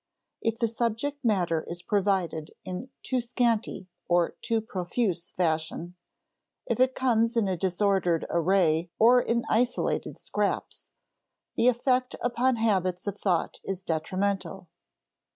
If the subject matter is provided in too scanty or too profuse fashion, if it comes in disordered array or in isolated scraps, the effect upon habits of thought is detrimental.